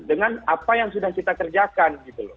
dengan apa yang sudah kita kerjakan